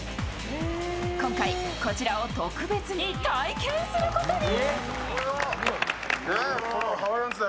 今回こちらを特別に体験することに。